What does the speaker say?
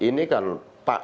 ini kan pak